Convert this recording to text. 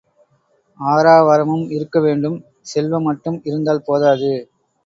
ஆரவாரமும் இருக்க வேண்டும் செல்வம் மட்டும் இருந்தால் போதாது.